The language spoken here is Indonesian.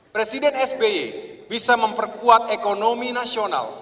presiden sby bisa memperkuat ekonomi nasional